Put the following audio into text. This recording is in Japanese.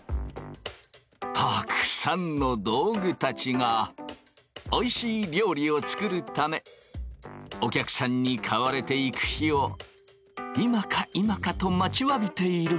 たくさんの道具たちがおいしい料理を作るためお客さんに買われていく日を今か今かと待ちわびている。